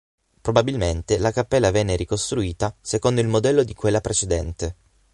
Probabilmente la cappella venne ricostruita secondo il modello di quella precedente.